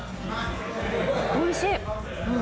おいしい！